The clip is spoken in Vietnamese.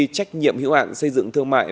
trách nhiệm hữu ạn xây dựng thương mại